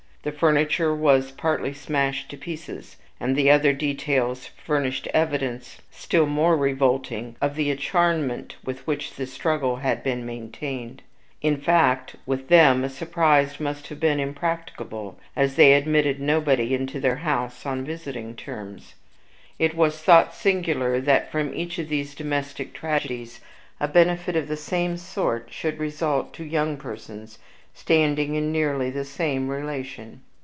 The furniture was partly smashed to pieces, and the other details furnished evidence still more revolting of the acharnement with which the struggle had been maintained. In fact, with THEM a surprise must have been impracticable, as they admitted nobody into their house on visiting terms. It was thought singular that from each of these domestic tragedies a benefit of the same sort should result to young persons standing in nearly the same relation.